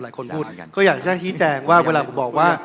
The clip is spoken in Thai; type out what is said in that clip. พูดก็อยากจะชี้แจงว่าเวลาผมบอกว่า